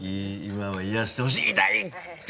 今は癒やしてほしい痛いって。